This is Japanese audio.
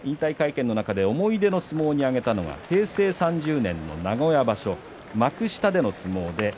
その中で思い出の相撲に挙げたのは平成３０年の名古屋場所幕下での相撲です。